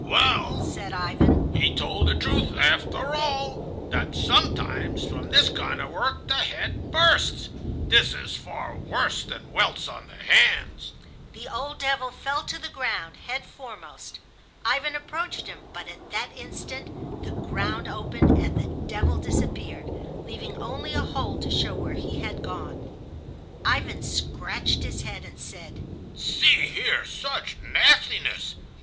"Well," said Ivan, "he told the truth after all—that sometimes from this kind of work the head bursts. This is far worse than welts on the hands." The old devil fell to the ground head foremost. Ivan approached him, but at that instant the ground opened and the devil disappeared, leaving only a hole to show where he had gone. Ivan scratched his head and said: "See here; such nastiness!